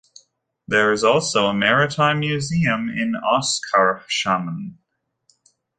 There is also a maritime museum in Oskarshamn.